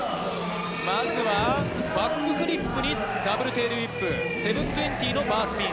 まずはバックフリップにダブルテールウィップ、７２０のバースピン。